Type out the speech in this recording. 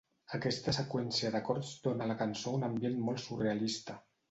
Aquesta seqüència d'acords dóna a la cançó un ambient molt surrealista.